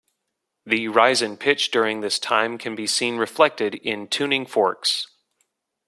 The rise in pitch during this time can be seen reflected in tuning forks.